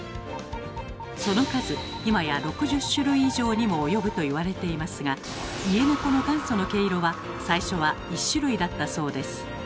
その数今や６０種類以上にも及ぶと言われていますが家ネコの元祖の毛色は最初は１種類だったそうです。